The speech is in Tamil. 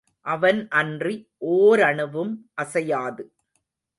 அவன் அன்றி ஓரணுவும் அசையாது.